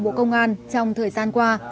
bộ công an trong thời gian qua